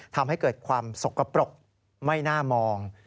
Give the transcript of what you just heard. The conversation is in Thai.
ทำให้เกิดความสกปรกไม่น่ามอง